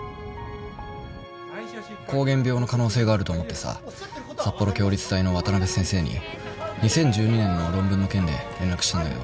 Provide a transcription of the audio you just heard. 膠原病の可能性があると思ってさ札幌共立大の渡辺先生に２０１２年の論文の件で連絡したんだけど。